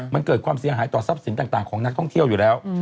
มันเกิดความเสียหายต่อทรัพย์สินต่างของนักท่องเที่ยวอยู่แล้ว